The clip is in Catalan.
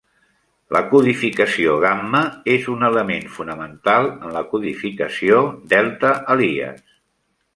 La codificació gamma és un element fonamental en la codificació delta Elias.